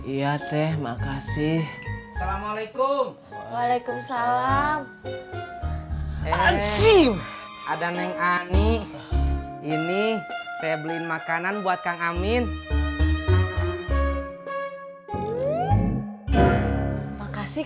iya kang makasih